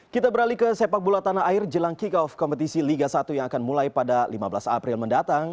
kita beralih ke sepak bola tanah air jelang kick off kompetisi liga satu yang akan mulai pada lima belas april mendatang